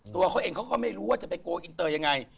ตัวเขาเองเขาก็ไม่รู้ว่าจะไปโกลอินเตอร์ยังไง